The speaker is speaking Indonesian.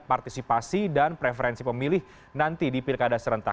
partisipasi dan preferensi pemilih nanti di pilkada serentak